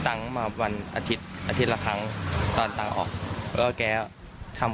ทำอะไรโพสต์ที่ก็ไม่มีอะไรแล้วแต่นี้แกมาออกจากบ้าน